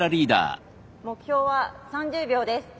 目標は３０秒です。